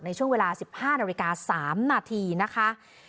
ในช่วงเวลา๑๕นาฬิกา๓นาทีนะคะ